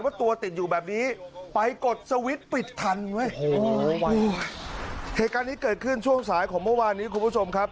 ไปกดสวิตช์ปิดทันเหตุการณ์นี้เกิดขึ้นช่วงสายของเมื่อวานนี้คุณผู้ชมครับ